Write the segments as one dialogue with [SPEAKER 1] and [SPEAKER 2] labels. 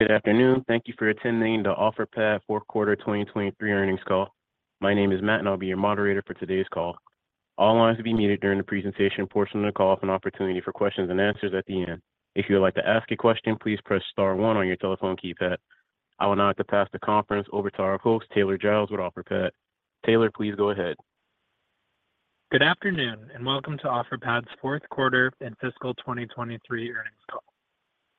[SPEAKER 1] Good afternoon. Thank you for attending the Offerpad Fourth Quarter 2023 earnings call. My name is Matt, and I'll be your moderator for today's call. All lines will be muted during the presentation portion of the call, with an opportunity for questions and answers at the end. If you would like to ask a question, please press star 1 on your telephone keypad. I will now have to pass the conference over to our host, Taylor Giles with Offerpad. Taylor, please go ahead.
[SPEAKER 2] Good afternoon and welcome to Offerpad's fourth quarter and fiscal 2023 earnings call.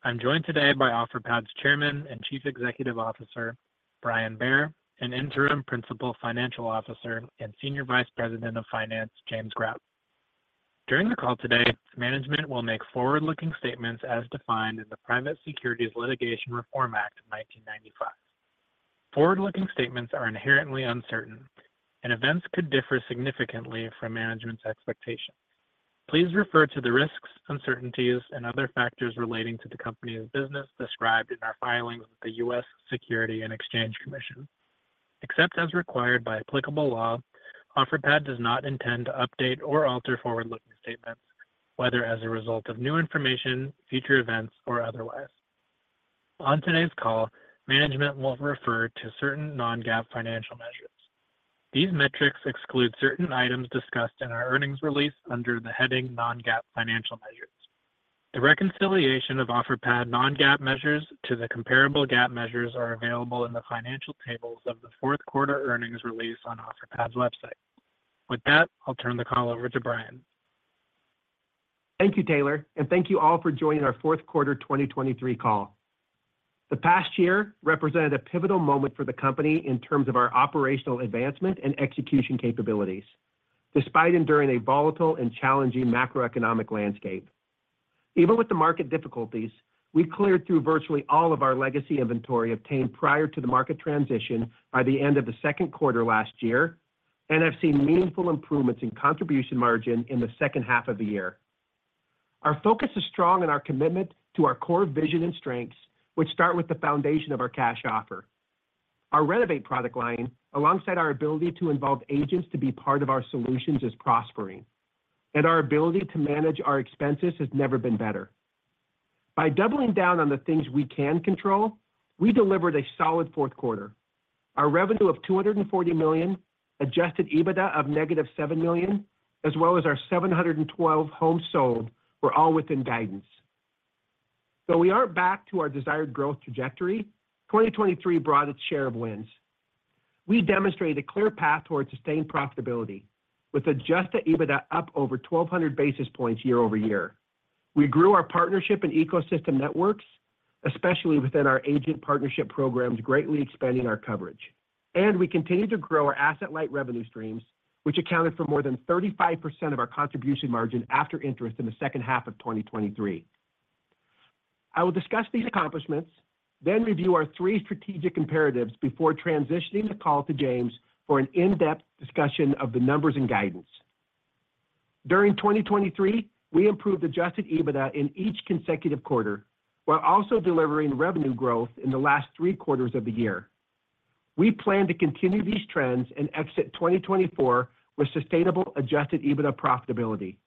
[SPEAKER 2] I'm joined today by Offerpad's Chairman and Chief Executive Officer, Brian Bair, and Interim Principal Financial Officer and Senior Vice President of Finance, James Grout. During the call today, management will make forward-looking statements as defined in the Private Securities Litigation Reform Act of 1995. Forward-looking statements are inherently uncertain, and events could differ significantly from management's expectations. Please refer to the risks, uncertainties, and other factors relating to the company's business described in our filings with the U.S. Securities and Exchange Commission. Except as required by applicable law, Offerpad does not intend to update or alter forward-looking statements, whether as a result of new information, future events, or otherwise. On today's call, management will refer to certain non-GAAP financial measures. These metrics exclude certain items discussed in our earnings release under the heading Non-GAAP financial measures. The reconciliation of Offerpad non-GAAP measures to the comparable GAAP measures is available in the financial tables of the Fourth Quarter earnings release on Offerpad's website. With that, I'll turn the call over to Brian.
[SPEAKER 3] Thank you, Taylor, and thank you all for joining our Fourth Quarter 2023 call. The past year represented a pivotal moment for the company in terms of our operational advancement and execution capabilities, despite enduring a volatile and challenging macroeconomic landscape. Even with the market difficulties, we cleared through virtually all of our legacy inventory obtained prior to the market transition by the end of the second quarter last year and have seen meaningful improvements in contribution margin in the second half of the year. Our focus is strong in our commitment to our core vision and strengths, which start with the foundation of our cash offer. Our Renovate product line, alongside our ability to involve agents to be part of our solutions is prospering, and our ability to manage our expenses has never been better. By doubling down on the things we can control, we delivered a solid fourth quarter. Our revenue of $240 million, adjusted EBITDA of -$7 million, as well as our 712 homes sold were all within guidance. Though we aren't back to our desired growth trajectory, 2023 brought its share of wins. We demonstrated a clear path toward sustained profitability, with adjusted EBITDA up over 1,200 basis points year-over-year. We grew our partnership and ecosystem networks, especially within our agent partnership programs, greatly expanding our coverage. We continued to grow our asset-light revenue streams, which accounted for more than 35% of our contribution margin after interest in the second half of 2023. I will discuss these accomplishments, then review our three strategic imperatives before transitioning the call to James for an in-depth discussion of the numbers and guidance. During 2023, we improved Adjusted EBITDA in each consecutive quarter while also delivering revenue growth in the last three quarters of the year. We plan to continue these trends and exit 2024 with sustainable Adjusted EBITDA profitability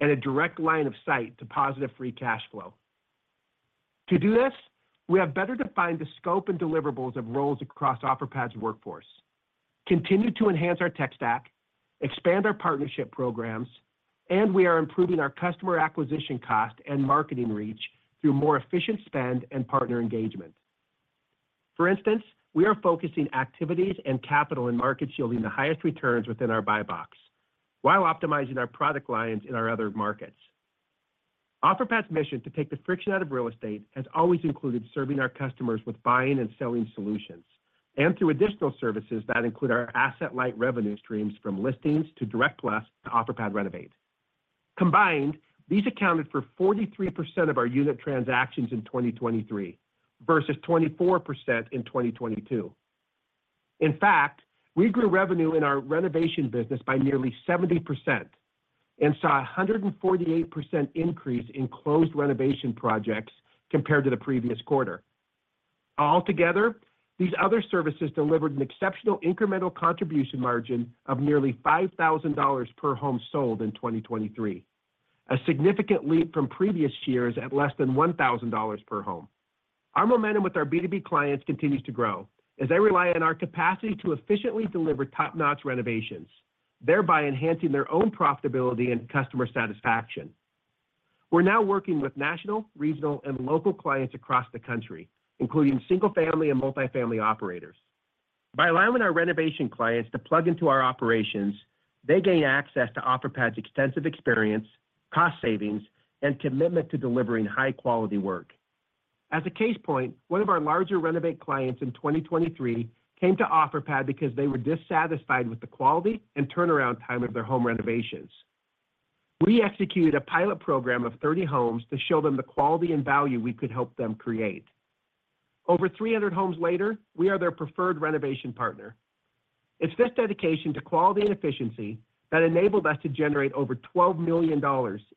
[SPEAKER 3] and a direct line of sight to positive free cash flow. To do this, we have better defined the scope and deliverables of roles across Offerpad's workforce, continued to enhance our tech stack, expand our partnership programs, and we are improving our customer acquisition cost and marketing reach through more efficient spend and partner engagement. For instance, we are focusing activities and capital in markets yielding the highest returns within our buy box while optimizing our product lines in our other markets. Offerpad's mission to take the friction out of real estate has always included serving our customers with buying and selling solutions and through additional services that include our asset-light revenue streams from listings to Direct Plus to Offerpad Renovate. Combined, these accounted for 43% of our unit transactions in 2023 versus 24% in 2022. In fact, we grew revenue in our renovation business by nearly 70% and saw a 148% increase in closed renovation projects compared to the previous quarter. Altogether, these other services delivered an exceptional incremental contribution margin of nearly $5,000 per home sold in 2023, a significant leap from previous years at less than $1,000 per home. Our momentum with our B2B clients continues to grow as they rely on our capacity to efficiently deliver top-notch renovations, thereby enhancing their own profitability and customer satisfaction. We're now working with national, regional, and local clients across the country, including single-family and multifamily operators. By allowing our renovation clients to plug into our operations, they gain access to Offerpad's extensive experience, cost savings, and commitment to delivering high-quality work. As a case point, one of our larger Renovate clients in 2023 came to Offerpad because they were dissatisfied with the quality and turnaround time of their home renovations. We executed a pilot program of 30 homes to show them the quality and value we could help them create. Over 300 homes later, we are their preferred renovation partner. It's this dedication to quality and efficiency that enabled us to generate over $12 million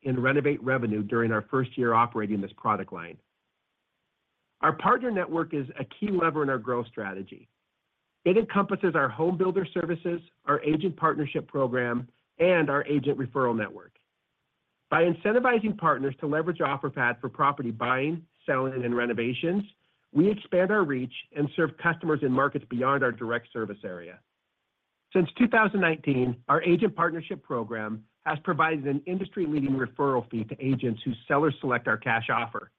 [SPEAKER 3] in Renovate revenue during our first year operating this product line. Our partner network is a key lever in our growth strategy. It encompasses our Homebuilder Services, our Agent Partnership Program, and our agent referral network. By incentivizing partners to leverage Offerpad for property buying, selling, and renovations, we expand our reach and serve customers in markets beyond our direct service area. Since 2019, our Agent Partnership Program has provided an industry-leading referral fee to agents whose sellers select our cash offer.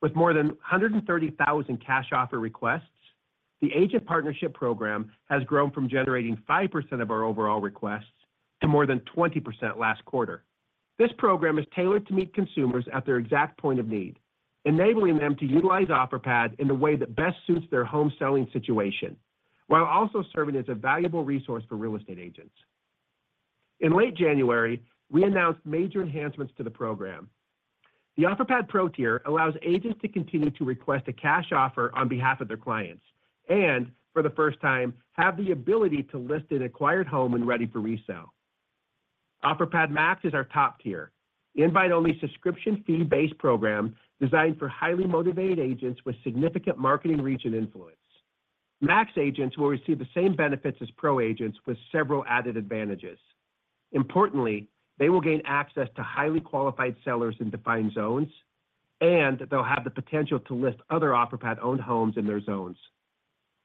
[SPEAKER 3] With more than 130,000 cash offer requests, the Agent Partnership Program has grown from generating 5% of our overall requests to more than 20% last quarter. This program is tailored to meet consumers at their exact point of need, enabling them to utilize Offerpad in the way that best suits their home selling situation while also serving as a valuable resource for real estate agents. In late January, we announced major enhancements to the program. The Offerpad Pro Tier allows agents to continue to request a cash offer on behalf of their clients and, for the first time, have the ability to list an acquired home and ready for resale. Offerpad Max is our top tier, invite-only subscription fee-based program designed for highly motivated agents with significant marketing reach and influence. Max agents will receive the same benefits as Pro agents with several added advantages. Importantly, they will gain access to highly qualified sellers in defined zones, and they'll have the potential to list other Offerpad-owned homes in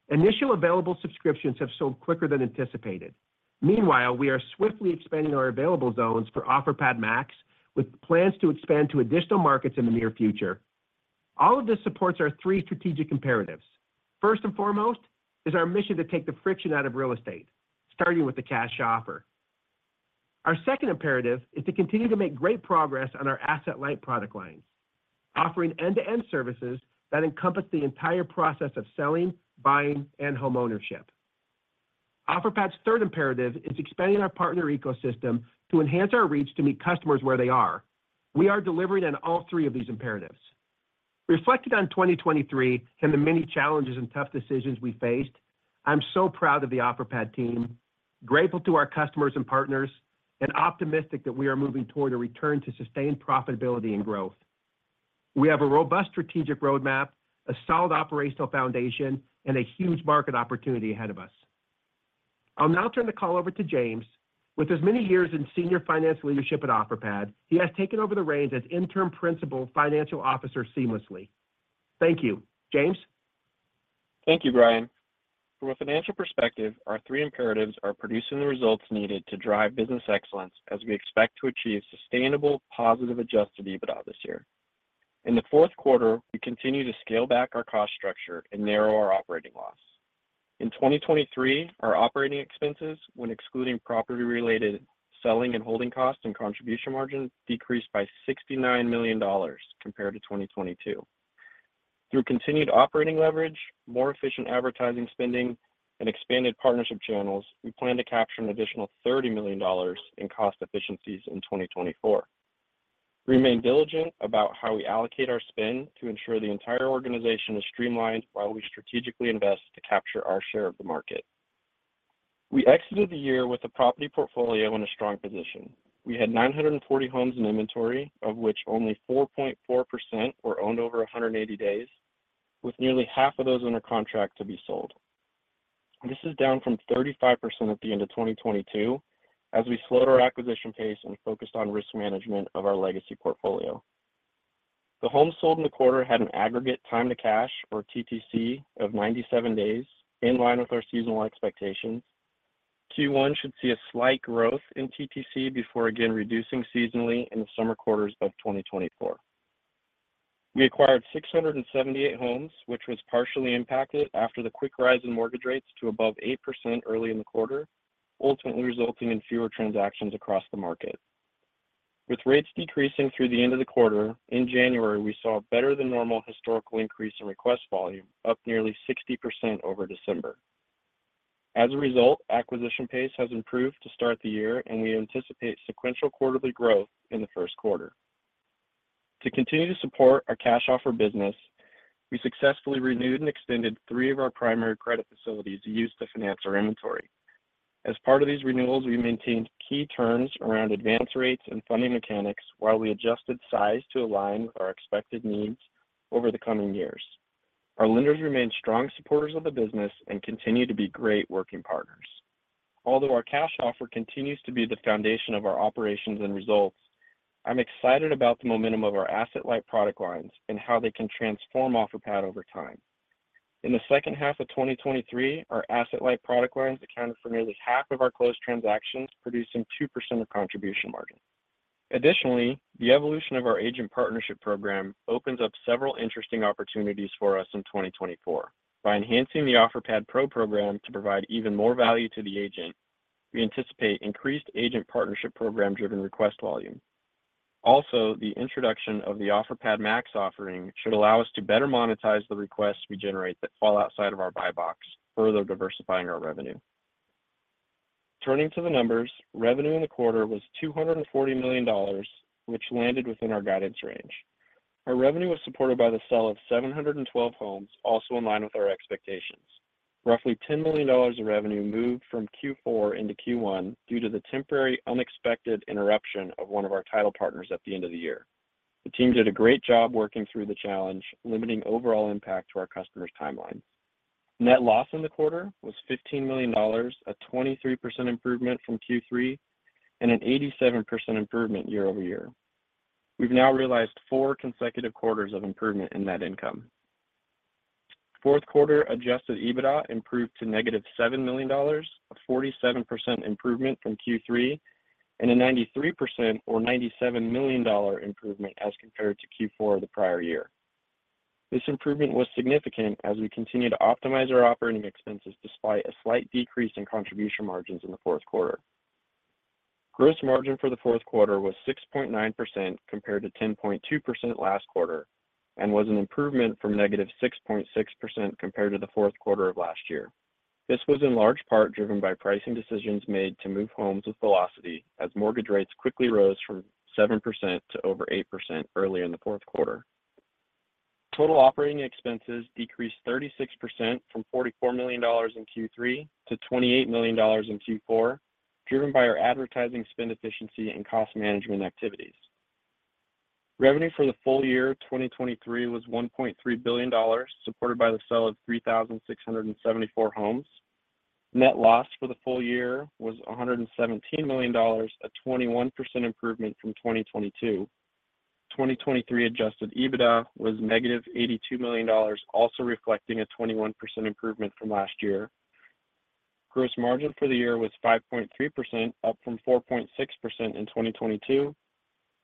[SPEAKER 3] their zones. Initial available subscriptions have sold quicker than anticipated. Meanwhile, we are swiftly expanding our available zones for Offerpad Max, with plans to expand to additional markets in the near future. All of this supports our three strategic imperatives. First and foremost is our mission to take the friction out of real estate, starting with the cash offer. Our second imperative is to continue to make great progress on our asset-light product lines, offering end-to-end services that encompass the entire process of selling, buying, and home ownership. Offerpad's third imperative is expanding our partner ecosystem to enhance our reach to meet customers where they are. We are delivering on all three of these imperatives. Reflecting on 2023 and the many challenges and tough decisions we faced, I'm so proud of the Offerpad team, grateful to our customers and partners, and optimistic that we are moving toward a return to sustained profitability and growth. We have a robust strategic roadmap, a solid operational foundation, and a huge market opportunity ahead of us. I'll now turn the call over to James. With as many years in senior finance leadership at Offerpad, he has taken over the reins as Interim Principal Financial Officer seamlessly. Thank you, James.
[SPEAKER 4] Thank you, Brian. From a financial perspective, our three imperatives are producing the results needed to drive business excellence as we expect to achieve sustainable, positive Adjusted EBITDA this year. In the fourth quarter, we continue to scale back our cost structure and narrow our operating loss. In 2023, our operating expenses, when excluding property-related selling and holding costs and contribution margin, decreased by $69 million compared to 2022. Through continued operating leverage, more efficient advertising spending, and expanded partnership channels, we plan to capture an additional $30 million in cost efficiencies in 2024. We remain diligent about how we allocate our spend to ensure the entire organization is streamlined while we strategically invest to capture our share of the market. We exited the year with a property portfolio in a strong position. We had 940 homes in inventory, of which only 4.4% were owned over 180 days, with nearly half of those under contract to be sold. This is down from 35% at the end of 2022 as we slowed our acquisition pace and focused on risk management of our legacy portfolio. The homes sold in the quarter had an aggregate time-to-cash, or TTC, of 97 days, in line with our seasonal expectations. Q1 should see a slight growth in TTC before again reducing seasonally in the summer quarters of 2024. We acquired 678 homes, which was partially impacted after the quick rise in mortgage rates to above 8% early in the quarter, ultimately resulting in fewer transactions across the market. With rates decreasing through the end of the quarter, in January, we saw a better-than-normal historical increase in request volume, up nearly 60% over December. As a result, acquisition pace has improved to start the year, and we anticipate sequential quarterly growth in the first quarter. To continue to support our cash offer business, we successfully renewed and extended three of our primary credit facilities used to finance our inventory. As part of these renewals, we maintained key turns around advance rates and funding mechanics while we adjusted size to align with our expected needs over the coming years. Our lenders remain strong supporters of the business and continue to be great working partners. Although our cash offer continues to be the foundation of our operations and results, I'm excited about the momentum of our asset-light product lines and how they can transform Offerpad over time. In the second half of 2023, our asset-light product lines accounted for nearly half of our closed transactions, producing 2% of contribution margin. Additionally, the evolution of our agent partnership program opens up several interesting opportunities for us in 2024. By enhancing the Offerpad Pro Program to provide even more value to the agent, we anticipate increased agent partnership program-driven request volume. Also, the introduction of the Offerpad Max offering should allow us to better monetize the requests we generate that fall outside of our buy box, further diversifying our revenue. Turning to the numbers, revenue in the quarter was $240 million, which landed within our guidance range. Our revenue was supported by the sale of 712 homes, also in line with our expectations. Roughly $10 million of revenue moved from Q4 into Q1 due to the temporary, unexpected interruption of one of our title partners at the end of the year. The team did a great job working through the challenge, limiting overall impact to our customers' timelines. Net loss in the quarter was $15 million, a 23% improvement from Q3 and an 87% improvement year-over-year. We've now realized four consecutive quarters of improvement in net income. Fourth quarter Adjusted EBITDA improved to negative $7 million, a 47% improvement from Q3 and a 93% or $97 million improvement as compared to Q4 of the prior year. This improvement was significant as we continue to optimize our operating expenses despite a slight decrease in contribution margins in the fourth quarter. Gross margin for the fourth quarter was 6.9% compared to 10.2% last quarter and was an improvement from negative 6.6% compared to the fourth quarter of last year. This was in large part driven by pricing decisions made to move homes with velocity as mortgage rates quickly rose from 7%-over 8% earlier in the fourth quarter. Total operating expenses decreased 36% from $44 million in Q3 to $28 million in Q4, driven by our advertising spend efficiency and cost management activities. Revenue for the full year 2023 was $1.3 billion, supported by the sale of 3,674 homes. Net loss for the full year was $117 million, a 21% improvement from 2022. 2023 Adjusted EBITDA was negative $82 million, also reflecting a 21% improvement from last year. Gross margin for the year was 5.3%, up from 4.6% in 2022.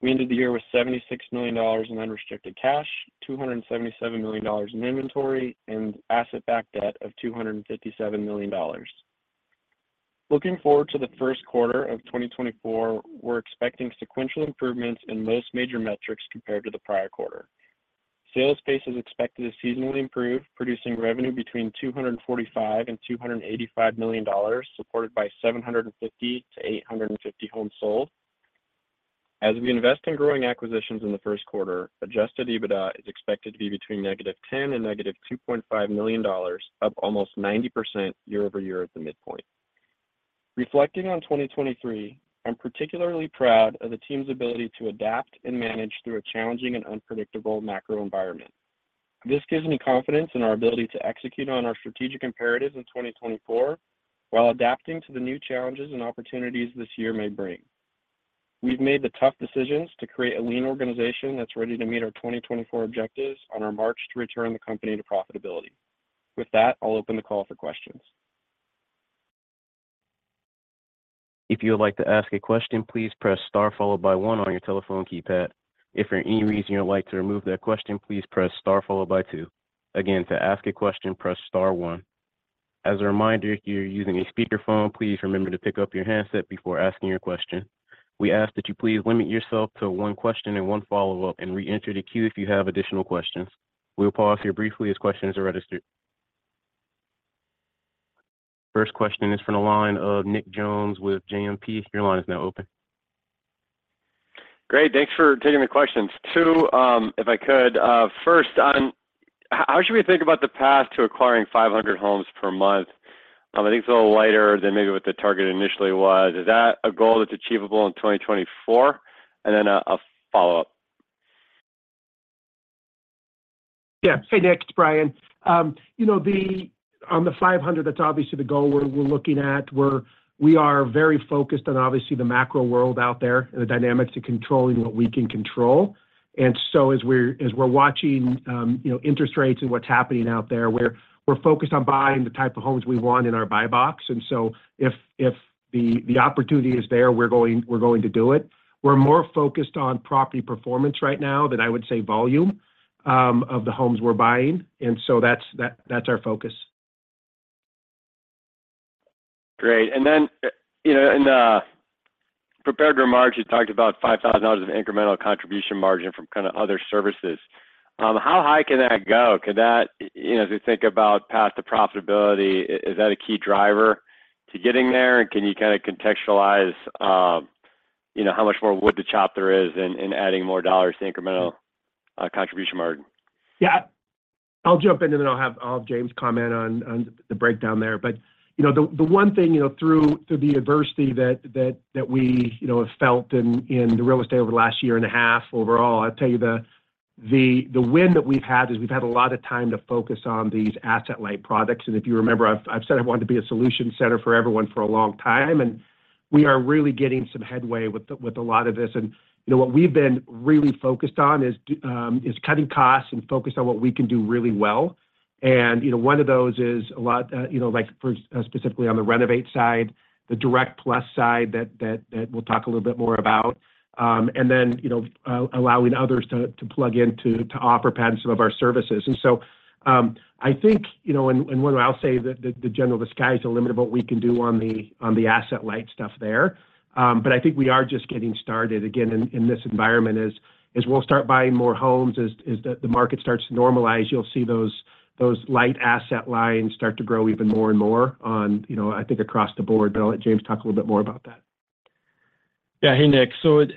[SPEAKER 4] We ended the year with $76 million in unrestricted cash, $277 million in inventory, and asset-backed debt of $257 million. Looking forward to the first quarter of 2024, we're expecting sequential improvements in most major metrics compared to the prior quarter. Sales pace is expected to seasonally improve, producing revenue between $245-$285 million, supported by 750-850 homes sold. As we invest in growing acquisitions in the first quarter, Adjusted EBITDA is expected to be between -$10 million and -$2.5 million, up almost 90% year-over-year at the midpoint. Reflecting on 2023, I'm particularly proud of the team's ability to adapt and manage through a challenging and unpredictable macro environment. This gives me confidence in our ability to execute on our strategic imperatives in 2024 while adapting to the new challenges and opportunities this year may bring. We've made the tough decisions to create a lean organization that's ready to meet our 2024 objectives on our march to return the company to profitability. With that, I'll open the call for questions.
[SPEAKER 1] If you would like to ask a question, please press star followed by one on your telephone keypad. If for any reason you would like to remove that question, please press star followed by two. Again, to ask a question, press star one. As a reminder, if you're using a speakerphone, please remember to pick up your handset before asking your question. We ask that you please limit yourself to one question and one follow-up and re-enter the queue if you have additional questions. We will pause here briefly as questions are registered. First question is from the line of Nick Jones with JMP. Your line is now open.
[SPEAKER 5] Great. Thanks for taking the questions. Two, if I could. First, how should we think about the path to acquiring 500 homes per month? I think it's a little lighter than maybe what the target initially was. Is that a goal that's achievable in 2024? And then a follow-up.
[SPEAKER 3] Yeah. Hey, Nick. It's Brian. On the 500, that's obviously the goal we're looking at. We are very focused on, obviously, the macro world out there and the dynamics of controlling what we can control. And so as we're watching interest rates and what's happening out there, we're focused on buying the type of homes we want in our buy box. And so if the opportunity is there, we're going to do it. We're more focused on property performance right now than I would say volume of the homes we're buying. And so that's our focus.
[SPEAKER 5] Great. And then in the prepared remarks, you talked about $5,000 of incremental contribution margin from kind of other services. How high can that go? As we think about path to profitability, is that a key driver to getting there? And can you kind of contextualize how much more wood to chop there is in adding more dollars to incremental contribution margin?
[SPEAKER 3] Yeah. I'll jump in, and then I'll have James comment on the breakdown there. But the one thing, through the adversity that we have felt in the real estate over the last year and a half overall, I'll tell you, the win that we've had is we've had a lot of time to focus on these asset-light products. And if you remember, I've said I wanted to be a solution center for everyone for a long time. And we are really getting some headway with a lot of this. And what we've been really focused on is cutting costs and focus on what we can do really well. And one of those is a lot specifically on the renovate side, the Direct Plus side that we'll talk a little bit more about, and then allowing others to plug in to Offerpad and some of our services. And so, I think—and I'll say—the general desire to limit what we can do on the asset-light stuff there. But I think we are just getting started. Again, in this environment, as we'll start buying more homes, as the market starts to normalize, you'll see those asset-light lines start to grow even more and more, I think, across the board. But I'll let James talk a little bit more about that.
[SPEAKER 4] Yeah. Hey, Nick. So I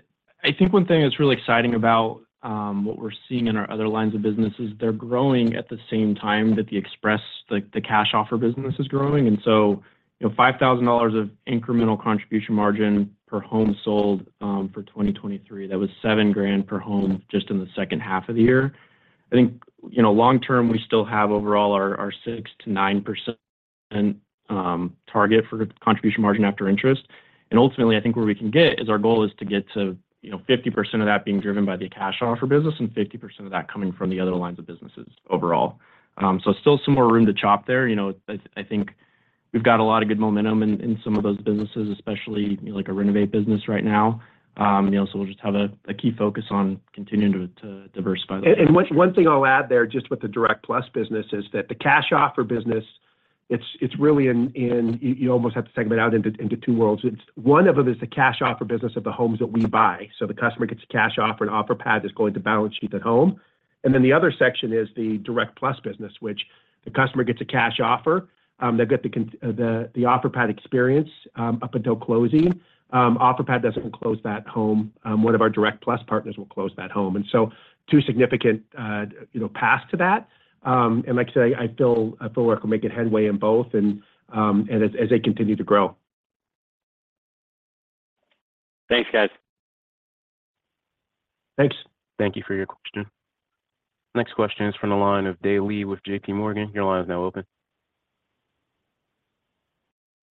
[SPEAKER 4] think one thing that's really exciting about what we're seeing in our other lines of business is they're growing at the same time that the cash offer business is growing. And so $5,000 of incremental contribution margin per home sold for 2023, that was $7,000 per home just in the second half of the year. I think long-term, we still have overall our 6%-9% target for contribution margin after interest. And ultimately, I think where we can get is our goal is to get to 50% of that being driven by the cash offer business and 50% of that coming from the other lines of businesses overall. So still some more room to chop there. I think we've got a lot of good momentum in some of those businesses, especially a Renovate business right now. So we'll just have a key focus on continuing to diversify those.
[SPEAKER 3] And one thing I'll add there just with the Direct Plus business is that the cash offer business. It's really in you almost have to segment out into two worlds. One of them is the cash offer business of the homes that we buy. So the customer gets a cash offer, and Offerpad is going to balance sheet that home. And then the other section is the Direct Plus business, which the customer gets a cash offer. They've got the Offerpad experience up until closing. Offerpad doesn't close that home. One of our Direct Plus partners will close that home. And so two significant paths to that. And like I said, I feel like we'll make headway in both as they continue to grow.
[SPEAKER 5] Thanks, guys.
[SPEAKER 3] Thanks.
[SPEAKER 1] Thank you for your question. Next question is from the line of Dae Lee with J.P. Morgan. Your line is now open.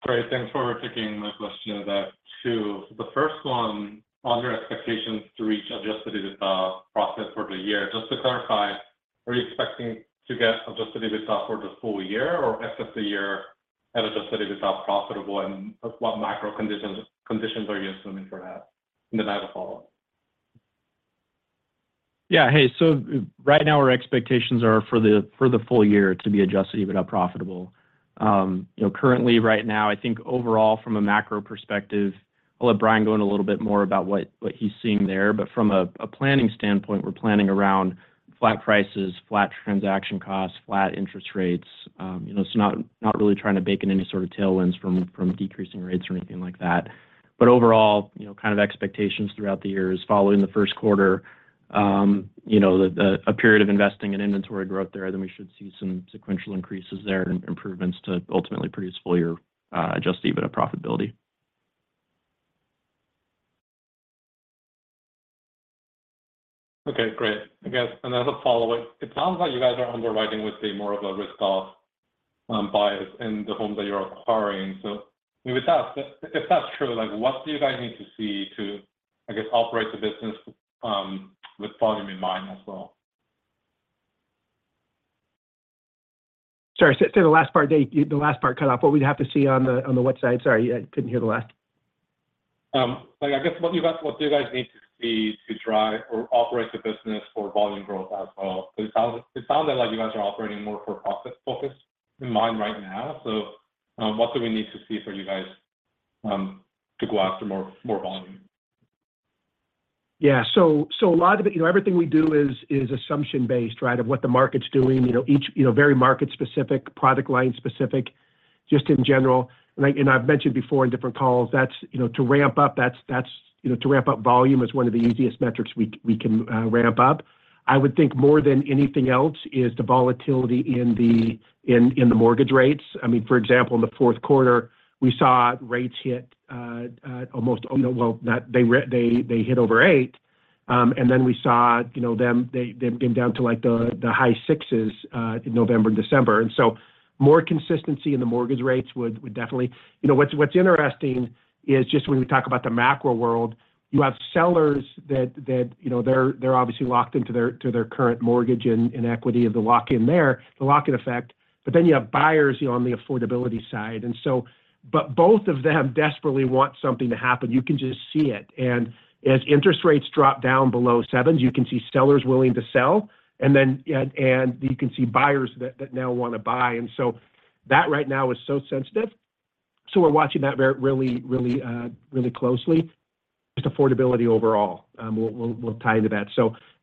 [SPEAKER 6] Great. Thanks for taking my question on that too. The first one, on your expectations to reach Adjusted EBITDA positive for the year, just to clarify, are you expecting to get Adjusted EBITDA positive for the full year or exit the year at Adjusted EBITDA profitable? And what macro conditions are you assuming for that and then if I have follow-up?
[SPEAKER 4] Yeah. Hey. So right now, our expectations are for the full year to be Adjusted EBITDA profitable. Currently, right now, I think overall, from a macro perspective, I'll let Brian go in a little bit more about what he's seeing there. But from a planning standpoint, we're planning around flat prices, flat transaction costs, flat interest rates. So not really trying to bake in any sort of tailwinds from decreasing rates or anything like that. But overall, kind of expectations throughout the year is following the first quarter, a period of investing in inventory growth there, then we should see some sequential increases there and improvements to ultimately produce full-year Adjusted EBITDA profitability.
[SPEAKER 6] Okay. Great. As a follow-up, it sounds like you guys are underwriting with more of a risk-off bias in the homes that you're acquiring. So if that's true, what do you guys need to see to, I guess, operate the business with volume in mind as well?
[SPEAKER 4] Sorry. Say the last part, Dave. The last part cut off. What would you have to see on the website? Sorry. I couldn't hear the last.
[SPEAKER 6] I guess what do you guys need to see to drive or operate the business for volume growth as well? Because it sounded like you guys are operating more for profit-focused in mind right now. So what do we need to see for you guys to go after more volume?
[SPEAKER 3] Yeah. So a lot of it, everything we do is assumption-based, right, of what the market's doing, very market-specific, product line-specific, just in general. And I've mentioned before in different calls, to ramp up, that's to ramp up volume is one of the easiest metrics we can ramp up. I would think more than anything else is the volatility in the mortgage rates. I mean, for example, in the fourth quarter, we saw rates hit almost well, they hit over 8. And then we saw them came down to the high 6s in November and December. And so more consistency in the mortgage rates would definitely what's interesting is just when we talk about the macro world, you have sellers that they're obviously locked into their current mortgage in equity of the lock-in there, the lock-in effect. But then you have buyers on the affordability side. Both of them desperately want something to happen. You can just see it. As interest rates drop down below 7s, you can see sellers willing to sell, and you can see buyers that now want to buy. That right now is so sensitive. We're watching that really, really, really closely. Just affordability overall. We'll tie into that.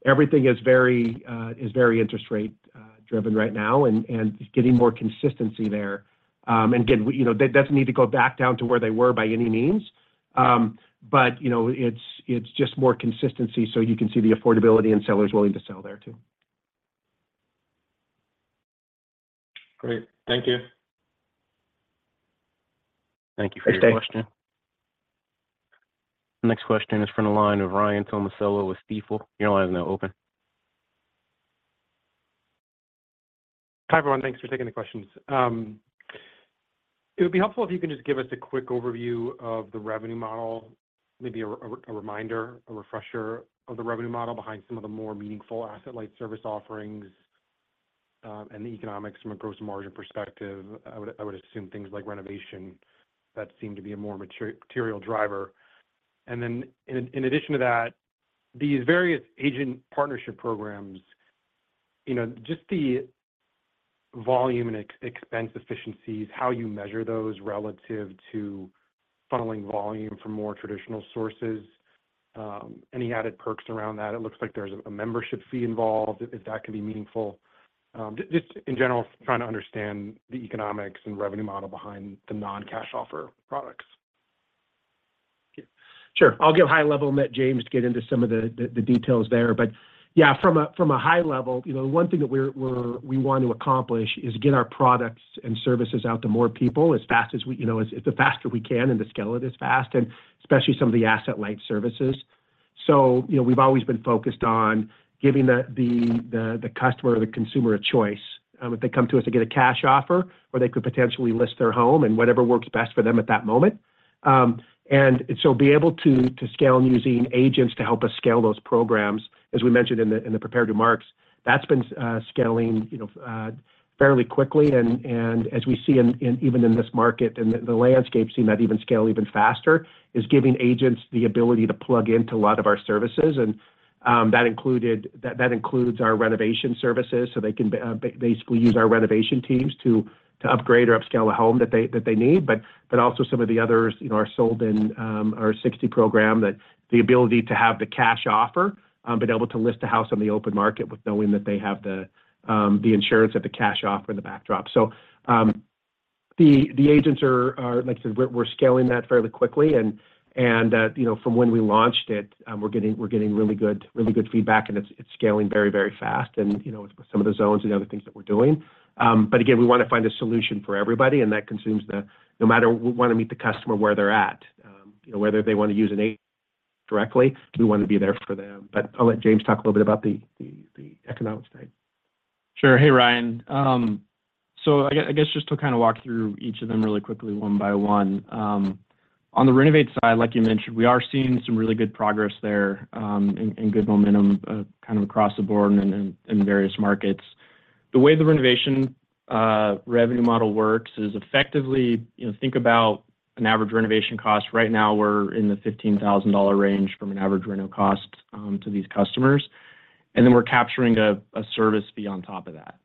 [SPEAKER 3] Everything is very interest rate-driven right now and getting more consistency there. Again, that doesn't need to go back down to where they were by any means. It's just more consistency so you can see the affordability and sellers willing to sell there too.
[SPEAKER 6] Great. Thank you.
[SPEAKER 1] Thank you for your question.
[SPEAKER 4] Thanks, Dave.
[SPEAKER 1] Next question is from the line of Ryan Tomasello with Stifel. Your line is now open.
[SPEAKER 7] Hi, everyone. Thanks for taking the questions. It would be helpful if you can just give us a quick overview of the revenue model, maybe a reminder, a refresher of the revenue model behind some of the more meaningful asset-light service offerings and the economics from a gross margin perspective. I would assume things like renovation that seem to be a more material driver. And then in addition to that, these various agent partnership programs, just the volume and expense efficiencies, how you measure those relative to funneling volume from more traditional sources, any added perks around that. It looks like there's a membership fee involved. If that can be meaningful. Just in general, trying to understand the economics and revenue model behind the non-cash offer products.
[SPEAKER 3] Sure. I'll give high-level, and James to get into some of the details there. But yeah, from a high level, the one thing that we want to accomplish is get our products and services out to more people as fast as we can and to scale it as fast, and especially some of the asset-light services. So we've always been focused on giving the customer or the consumer a choice. If they come to us, they get a cash offer, or they could potentially list their home and whatever works best for them at that moment. And so be able to scale using agents to help us scale those programs. As we mentioned in the prepared remarks, that's been scaling fairly quickly. As we see even in this market, the landscape seems to even scale even faster, giving agents the ability to plug into a lot of our services. That includes our renovation services. So they can basically use our renovation teams to upgrade or upscale a home that they need. But also some of the others are sold in our Pro program, the ability to have the cash offer, but able to list a house on the open market with knowing that they have the insurance of the cash offer in the backdrop. So the agents are, like I said, we're scaling that fairly quickly. From when we launched it, we're getting really good feedback, and it's scaling very, very fast with some of the zones and the other things that we're doing. But again, we want to find a solution for everybody, and that consumes the no matter, we want to meet the customer where they're at. Whether they want to use an agent directly, we want to be there for them. But I'll let James talk a little bit about the economics side.
[SPEAKER 4] Sure. Hey, Ryan. So I guess just to kind of walk through each of them really quickly, one by one. On the renovate side, like you mentioned, we are seeing some really good progress there and good momentum kind of across the board in various markets. The way the renovation revenue model works is effectively, think about an average renovation cost. Right now, we're in the $15,000 range from an average reno cost to these customers. And then we're capturing a service fee on top of that.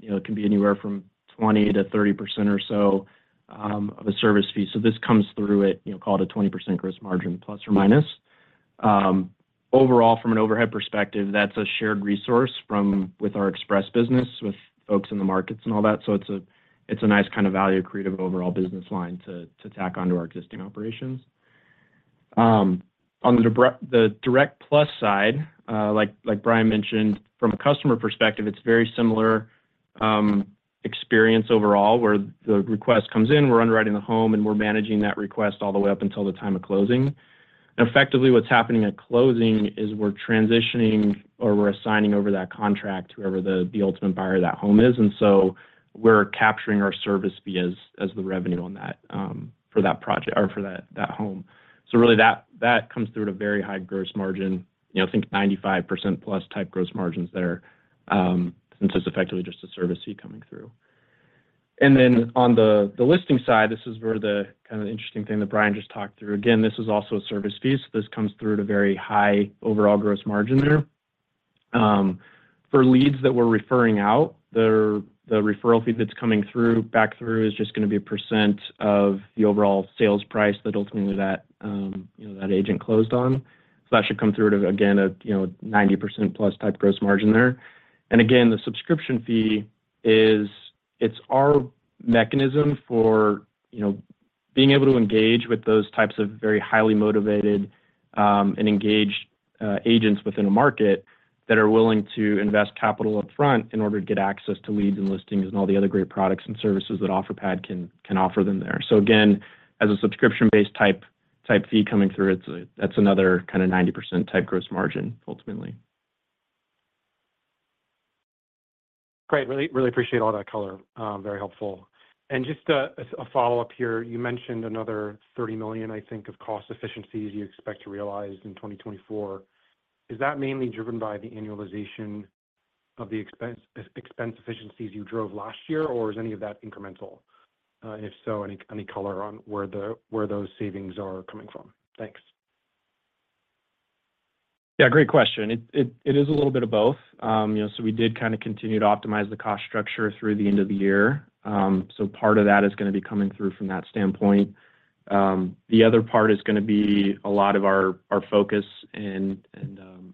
[SPEAKER 4] It can be anywhere from 20%-30% or so of a service fee. So this comes through it called a 20% gross margin, plus or minus. Overall, from an overhead perspective, that's a shared resource with our express business, with folks in the markets and all that. So it's a nice kind of value creative overall business line to tack onto our existing operations. On the Direct Plus side, like Brian mentioned, from a customer perspective, it's a very similar experience overall where the request comes in, we're underwriting the home, and we're managing that request all the way up until the time of closing. And effectively, what's happening at closing is we're transitioning or we're assigning over that contract to whoever the ultimate buyer of that home is. And so we're capturing our service fee as the revenue on that for that project or for that home. So really, that comes through at a very high gross margin, think 95%-plus type gross margins there since it's effectively just a service fee coming through. And then on the listing side, this is where the kind of interesting thing that Brian just talked through. Again, this is also a service fee. So this comes through at a very high overall gross margin there. For leads that we're referring out, the referral fee that's coming back through is just going to be a percent of the overall sales price that ultimately that agent closed on. So that should come through at, again, a 90%-plus type gross margin there. And again, the subscription fee, it's our mechanism for being able to engage with those types of very highly motivated and engaged agents within a market that are willing to invest capital upfront in order to get access to leads and listings and all the other great products and services that Offerpad can offer them there. So again, as a subscription-based type fee coming through, that's another kind of 90% type gross margin, ultimately. Great. Really appreciate all that color. Very helpful.
[SPEAKER 7] And just a follow-up here, you mentioned another $30 million, I think, of cost efficiencies you expect to realize in 2024. Is that mainly driven by the annualization of the expense efficiencies you drove last year, or is any of that incremental? And if so, any color on where those savings are coming from?
[SPEAKER 4] Thanks. Yeah. Great question. It is a little bit of both. So we did kind of continue to optimize the cost structure through the end of the year. So part of that is going to be coming through from that standpoint. The other part is going to be a lot of our focus and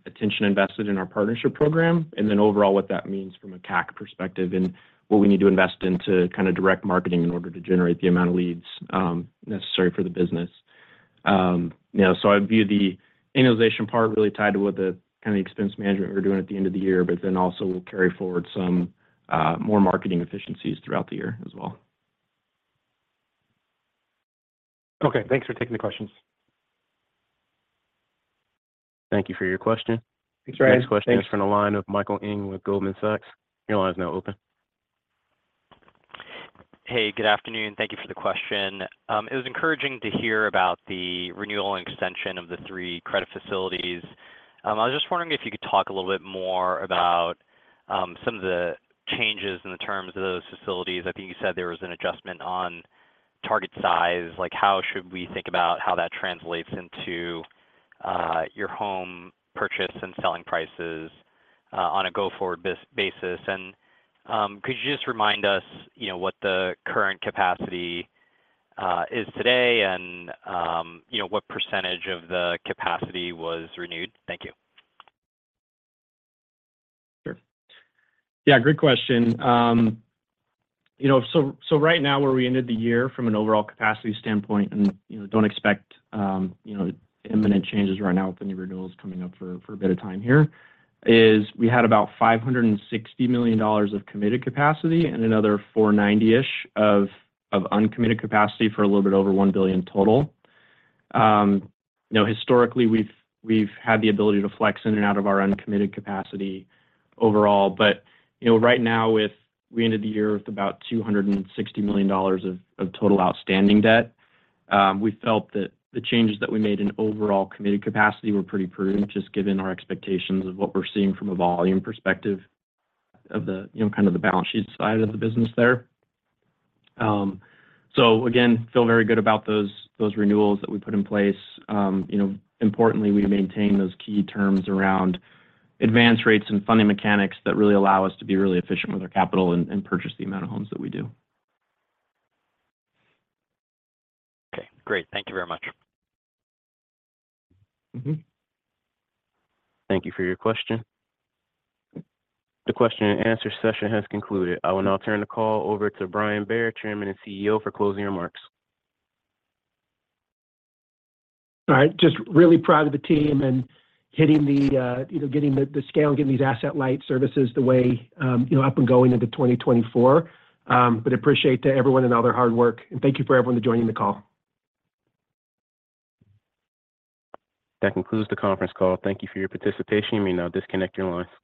[SPEAKER 4] attention invested in our partnership program and then overall what that means from a CAC perspective and what we need to invest into kind of direct marketing in order to generate the amount of leads necessary for the business. So I view the annualization part really tied to what the kind of expense management we're doing at the end of the year, but then also we'll carry forward some more marketing efficiencies throughout the year as well. Okay. Thanks for taking the questions.
[SPEAKER 1] Thank you for your question. Next question is from the line of Michael Ng with Goldman Sachs. Your line is now open.
[SPEAKER 8] Hey. Good afternoon. Thank you for the question. It was encouraging to hear about the renewal and extension of the three credit facilities. I was just wondering if you could talk a little bit more about some of the changes in the terms of those facilities. I think you said there was an adjustment on target size. How should we think about how that translates into your home purchase and selling prices on a go-forward basis? And could you just remind us what the current capacity is today and what percentage of the capacity was renewed? Thank you.
[SPEAKER 4] Sure. Yeah. Great question. So right now, where we ended the year from an overall capacity standpoint, and don't expect imminent changes right now with any renewals coming up for a bit of time here, is we had about $560 million of committed capacity and another $490-ish of uncommitted capacity for a little bit over $1 billion total. Historically, we've had the ability to flex in and out of our uncommitted capacity overall. But right now, we ended the year with about $260 million of total outstanding debt. We felt that the changes that we made in overall committed capacity were pretty prudent, just given our expectations of what we're seeing from a volume perspective of kind of the balance sheet side of the business there. So again, feel very good about those renewals that we put in place. Importantly, we maintain those key terms around advance rates and funding mechanics that really allow us to be really efficient with our capital and purchase the amount of homes that we do.
[SPEAKER 8] Okay. Great. Thank you very much.
[SPEAKER 1] Thank you for your question. The question and answer session has concluded. I will now turn the call over to Brian Bair, Chairman and CEO, for closing remarks.
[SPEAKER 3] All right. Just really proud of the team and getting the scale, getting these asset-light services the way up and going into 2024. But appreciate everyone and all their hard work. Thank you for everyone joining the call.
[SPEAKER 1] That concludes the conference call. Thank you for your participation. You may now disconnect your lines.